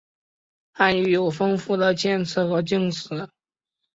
汉语有丰富的谦辞和敬辞。